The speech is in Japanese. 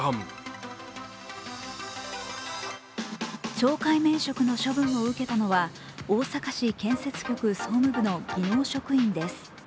懲戒免職の処分を受けたのは大阪市建設局総務部の技能職員です。